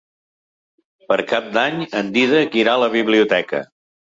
Per Cap d'Any en Dídac irà a la biblioteca.